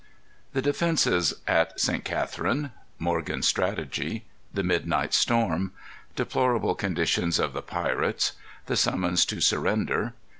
_ The Defences at St. Catherine. Morgan's Strategy. The Midnight Storm. Deplorable Condition of the Pirates. The Summons to Surrender.